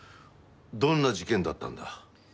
どんな事件だったんだ？